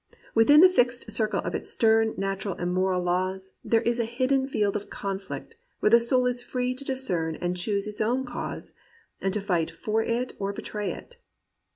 Within the fixed circle of its stern natural and moral laws there is a hidden field of conflict where the soul is free to dis cern and choose its own cause, and to fight for it or betray it.